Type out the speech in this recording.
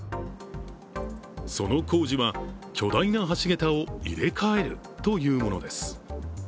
その工事は巨大な橋桁を入れ替えるというものです。